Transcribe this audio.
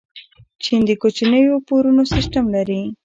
چین د کوچنیو پورونو سیسټم لري.